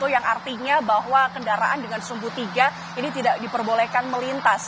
yang artinya bahwa kendaraan dengan sumbu tiga ini tidak diperbolehkan melintas